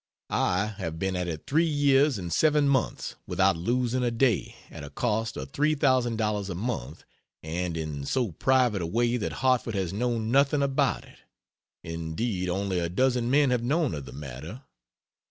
I have been at it three years and seven months without losing a day, at a cost of $3,000 a month, and in so private a way that Hartford has known nothing about it. Indeed only a dozen men have known of the matter.